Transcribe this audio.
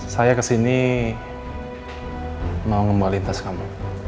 saya kesini mau ngembali tas kamu